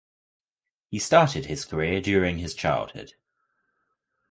He started his career during his childhood.